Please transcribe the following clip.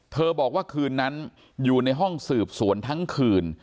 บอกว่าคืนนั้นอยู่ในห้องสืบสวนทั้งคืน